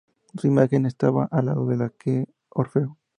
Su imagen estaba al lado de la de Orfeo.